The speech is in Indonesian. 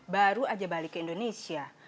baru aja balik ke indonesia